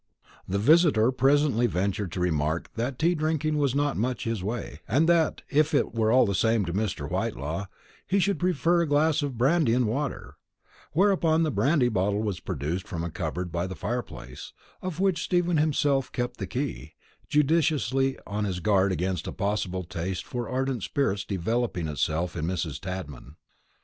The visitor presently ventured to remark that tea drinking was not much in his way, and that, if it were all the same to Mr. Whitelaw, he should prefer a glass of brandy and water; whereupon the brandy bottle was produced from a cupboard by the fire place, of which Stephen himself kept the key, judiciously on his guard against a possible taste for ardent spirits developing itself in Mrs. Tadman.